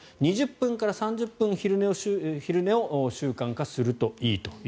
２０分から３０分の昼寝を習慣化するといいと。